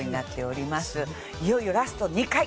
いよいよラスト２回！